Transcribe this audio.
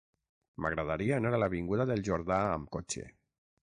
M'agradaria anar a l'avinguda del Jordà amb cotxe.